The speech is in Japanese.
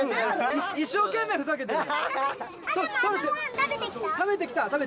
一生懸命ふざけてる。